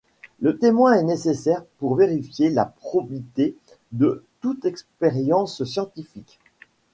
Le témoin est nécessaire pour vérifier la probité de toute expérience scientifique.